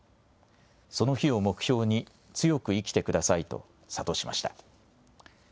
その日を目標に強く生きてくださいと諭しました。